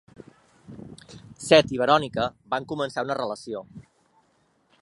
Seth i Veronica van començar una relació.